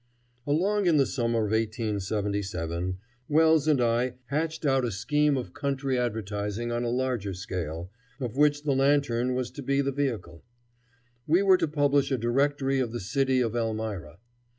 Along in the summer of 1877 Wells and I hatched out a scheme of country advertising on a larger scale, of which the lantern was to be the vehicle. We were to publish a directory of the city of Elmira.